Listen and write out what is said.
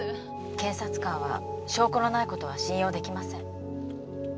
検察官は証拠のない事は信用出来ません。